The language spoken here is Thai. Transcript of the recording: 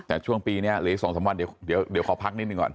แต่ช่วงปีนี้หรืออีก๒๓วันเดี๋ยวขอพักนิดหนึ่งก่อน